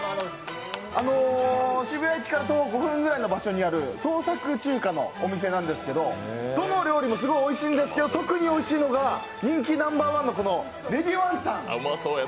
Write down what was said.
渋谷駅から徒歩５分ぐらいの場所にある創作中華のお店なんですがどの料理もすごくおいしいんですけど、特においしいのが人気ナンバーワンのこのネギワンタン。